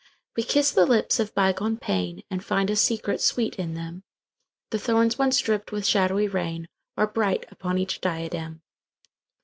We kiss the lips of bygone painAnd find a secret sweet in them:The thorns once dripped with shadowy rainAre bright upon each diadem.